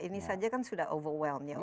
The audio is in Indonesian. ini saja kan sudah overwhelm